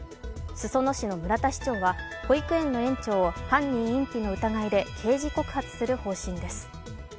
裾野市の村田市長は保育園の園長を犯人隠避の疑いで刑事告発する方針です。